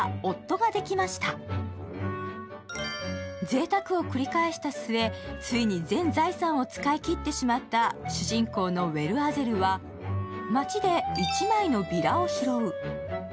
ぜいたくを繰り返した末、ついに全財産を使い切ってしまった主人公のウェルアゼルは街で１枚のビラを拾う。